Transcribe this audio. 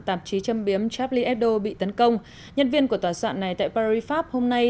tạp chí châm biếm chaflieo bị tấn công nhân viên của tòa soạn này tại paris pháp hôm nay